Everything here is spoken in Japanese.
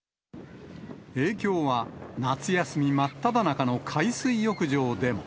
影響は、夏休み真っただ中の海水浴場でも。